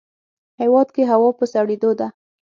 هیواد کې هوا په سړیدو ده